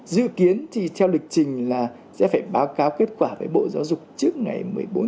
dự kiến theo lịch trình sẽ phải báo cáo kết quả với bộ giáo dục trước ngày một mươi bốn bảy